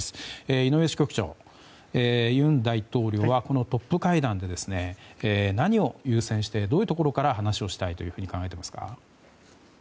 井上支局長尹大統領は、このトップ会談で何を優先してどういうところから話をしたいと考えていますか。